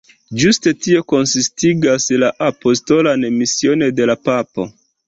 Ĝuste tio konsistigas la apostolan mision de la papo.